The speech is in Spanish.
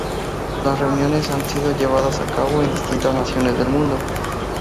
Las reuniones han sido llevadas a cabo en distintas naciones del mundo.